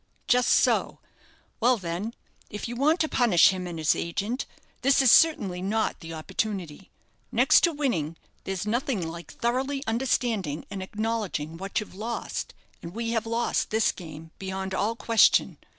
"Just so. Well, then, if you want to punish him and his agent, this is certainly not the opportunity. Next to winning, there's nothing like thoroughly understanding and acknowledging what you've lost, and we have lost this game, beyond all question.